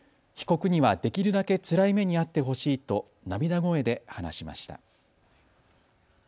被告にはできるだけつらい目に遭ってほしいと涙声で話しました。